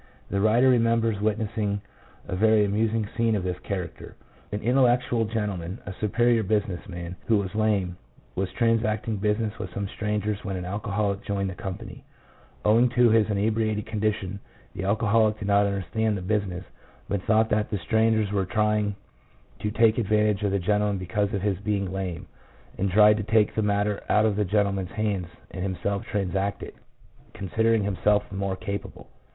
The writer remembers witnessing a very amusing scene of this character. An intellectual gentleman, a superior business man, who was lame, was transacting business with some strangers when an alcoholic joined the company. Owing to his inebriated condi tion, the alcoholic did not understand the business 1 R. C. Spitzka, Insanity, p. 251. 2 I. Ray, Medical [%trisp)udence ) p. 545. INTELLECT (NOT INCLUDING MEMORY). 91 but thought that the strangers were trying to take advantage of the gentleman because of his being lame, and tried to take the matter out of the gentle man's hands and himself transact it, considering himself the more capable.